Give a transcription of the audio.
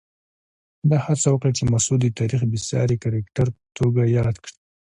ده هڅه وکړه چې مسعود د تاریخ بېساري کرکټر په توګه یاد کړي.